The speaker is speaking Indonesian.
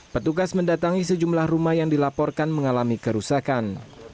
petugas mendatangi sejumlah rumah yang dilaporkan mengalami kerusakan